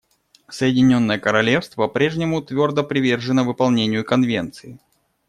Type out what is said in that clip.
Соединенное Королевство по-прежнему твердо привержено выполнению Конвенции.